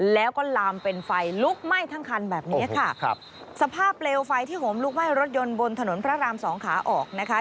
แล้วก็ลามเป็นไฟลุกไหม้ทั้งคันแบบนี้ค่ะครับสภาพเปลวไฟที่ห่มลุกไหม้รถยนต์บนถนนพระรามสองขาออกนะคะ